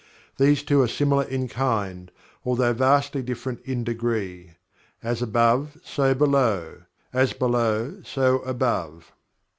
The two are similar in kind, although vastly different in degree. "As above, so below; as below, so above."